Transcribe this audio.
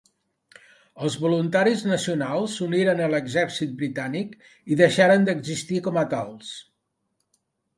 Els Voluntaris Nacionals s'uniren a l'exèrcit britànic i deixaren d'existir com a tals.